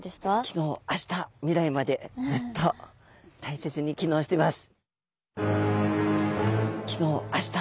きのうあした未来までずっと大切に機能してます。